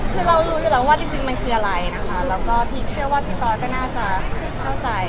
คือเรารู้อยู่แล้วว่าจริงมันคืออะไรนะคะแล้วก็พีคเชื่อว่าพี่ตอสก็น่าจะเข้าใจ